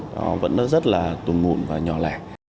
nó vẫn rất là tùm ngụn và nhỏ lẻ